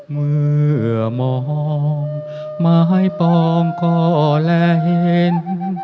เมื่อมองไม้ปองก็และเห็น